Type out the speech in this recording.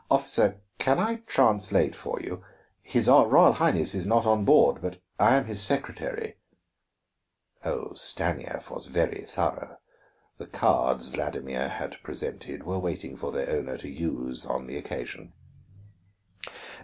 "Officer, can I translate for you? His Royal Highness is not on board, but I am his secretary " Oh, Stanief was very thorough! The cards Vladimir had presented were waiting for their owner to use on the occasion.